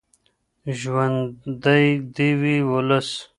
ژوندی دې وي ولس.